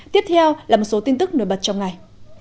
tiếp theo là một số tin tức nổi bật trong ngày